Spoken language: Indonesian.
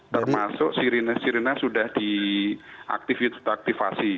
termasuk sirine sirine sudah diaktifasi